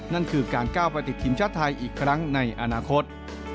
นั่นคือการก้าวไปติดทีมชาติไทยอีกครั้งในอนาคต